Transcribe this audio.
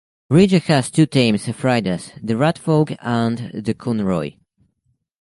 Regia has two teams of riders: "The Radfolc" and "The Conroi".